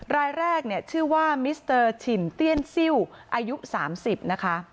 รายแรกเนี่ยชื่อว่ามิสเตอร์ฉินเตี้ยนซิลอายุ๓๐นะคะ